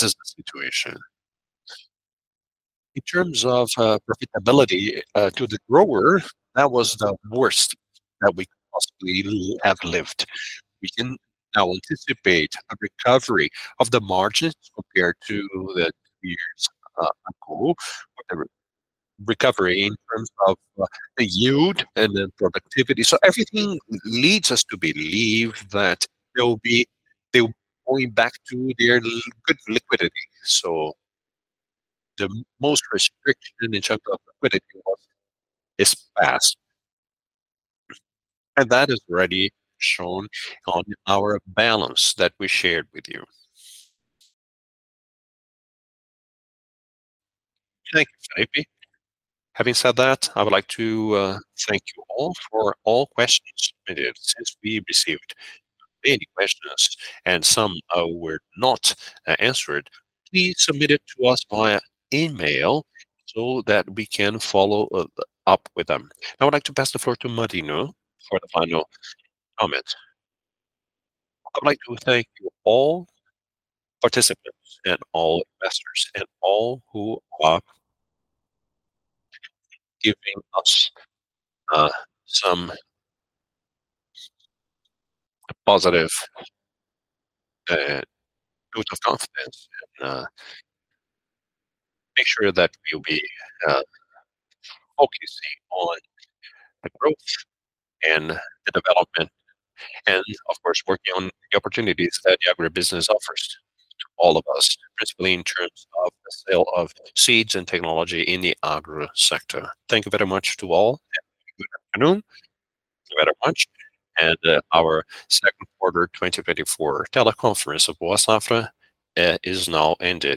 This is the situation. In terms of profitability to the grower, that was the worst that we possibly have lived. We can now anticipate a recovery of the margins compared to the years ago, whatever, recovery in terms of the yield and the productivity. So everything leads us to believe that they'll be. They're going back to their li- good liquidity. So the most restriction in terms of liquidity was this past, and that is already shown on our balance that we shared with you. Thank you, Felipe. Having said that, I would like to thank you all for all questions submitted. Since we received many questions and some were not answered, please submit it to us via email so that we can follow up with them. I would like to pass the floor to Marino for the final comment. I'd like to thank you all participants, and all investors, and all who are giving us some positive vote of confidence. And make sure that we'll be focusing on the growth and the development, and of course, working on the opportunities that the agribusiness offers to all of us, principally in terms of the sale of seeds and technology in the agro sector. Thank you very much to all, and good afternoon. Thank you very much, and our second quarter 2024 teleconference of Boa Safra is now ended.